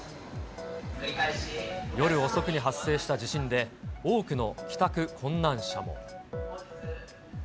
夜遅くに発生した地震で、多くの帰宅困難者も。